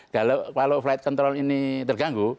kalau flight control ini terganggu